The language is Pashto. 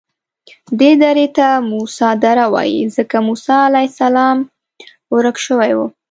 دې درې ته موسی دره وایي ځکه موسی علیه السلام ورک شوی و.